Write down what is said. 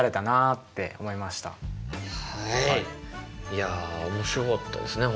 いや面白かったですね